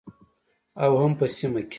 او هم په سیمه کې